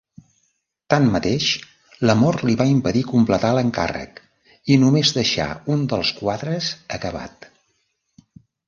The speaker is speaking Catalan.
Tanmateix, la mort li va impedir completar l'encàrrec, i només deixà un dels quadres acabat.